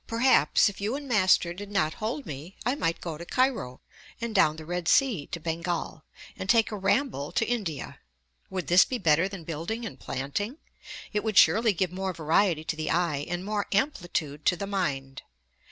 Perhaps, if you and master did not hold me, I might go to Cairo, and down the Red Sea to Bengal, and take a ramble to India. Would this be better than building and planting? It would surely give more variety to the eye, and more amplitude to the mind.